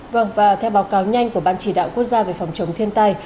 vâng và theo báo cáo nhanh của ban chỉ đạo quốc gia về phòng chống thiên tai